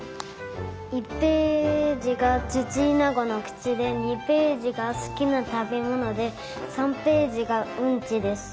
１ページがツチイナゴのくちで２ページがすきなたべもので３ページがうんちです。